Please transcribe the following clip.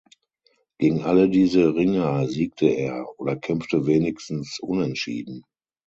Gegen alle diese Ringer siegte er oder kämpfte wenigstens Unentschieden.